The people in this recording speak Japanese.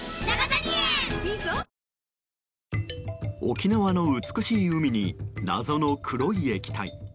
沖縄の美しい海に謎の黒い液体。